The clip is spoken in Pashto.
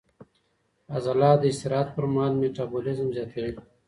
عضلات د استراحت پر مهال میټابولیزم زیاتوي.